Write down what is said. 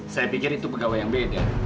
saya pikir itu pegawai yang beda